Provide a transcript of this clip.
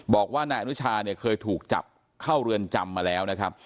บอกว่านายอนุชาเนี่ยเคยถูกจับเข้าเรือนจำมาแล้วนะครับ